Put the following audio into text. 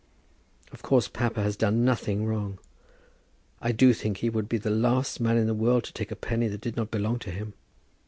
Of course, papa has done nothing wrong. I do think he would be the last man in the world to take a penny that did not belong to him.